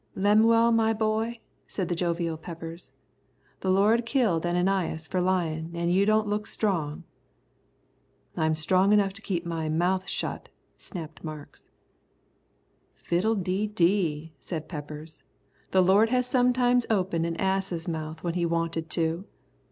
"Lemuel, my boy," said the jovial Peppers, "the Lord killed Ananias for lyin' an' you don't look strong." "I'm strong enough to keep my mouth shut," snapped Marks. "Fiddle de dee," said Peppers, "the Lord has sometimes opened an ass's mouth when He wanted to."